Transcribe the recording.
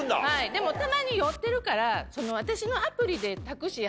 でもたまに酔ってるから。